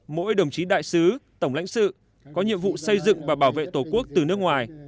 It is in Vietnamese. mỗi đồng chí đại sứ tổng lãnh sự có nhiệm vụ xây dựng và bảo vệ tổ quốc từ nước ngoài